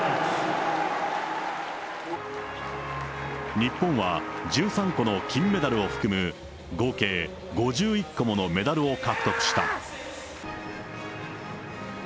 日本は１３個の金メダルを含む、合計５１個ものメダルを獲得した。